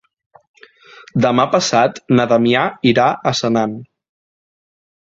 Demà passat na Damià irà a Senan.